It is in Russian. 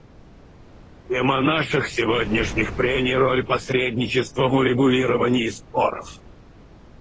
Тема наших сегодняшних прений — «Роль посредничества в урегулировании споров».